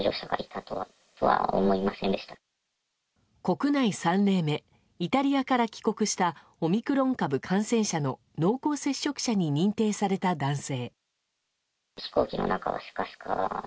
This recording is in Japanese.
国内３例目イタリアから帰国したオミクロン株感染者の濃厚接触者に認定された男性。